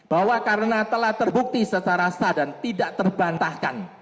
bahwa karena telah terbukti secara sah dan tidak terbantahkan